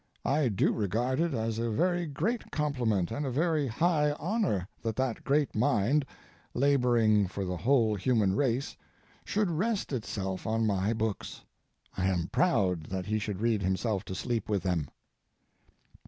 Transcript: I do regard it as a very great compliment and a very high honor that that great mind, laboring for the whole human race, should rest itself on my books. I am proud that he should read himself to sleep with them."